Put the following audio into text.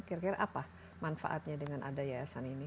kira kira apa manfaatnya dengan ada yayasan ini